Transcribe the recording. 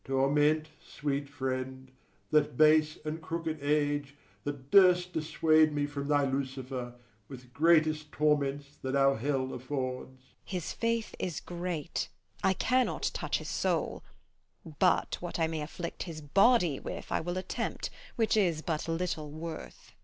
Torment, sweet friend, that base and crooked age, That durst dissuade me from thy Lucifer, With greatest torments that our hell affords. MEPHIST. His faith is great; I cannot touch his soul; But what I may afflict his body with I will attempt, which is but little worth.